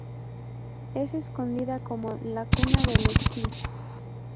Es conocida como la "Cuna del esquí".